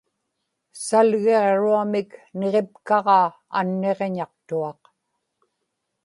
salgiġruamik niġipkaġaa anniġñaqtuaq